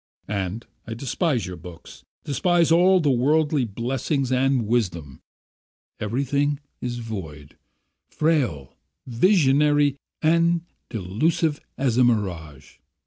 "And I despise your books, despise all worldly blessings and wisdom. Everything is void, frail, visionary and delusive as a mirage.